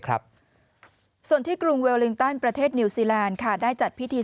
ครับส่วนที่กรุงเวลลิงตันประเทศนิวซีแลนด์ค่ะได้จัดพิธี